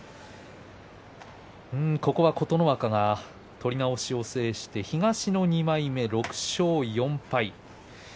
ここは琴ノ若が取り直しを制して東の２枚目、６勝４敗。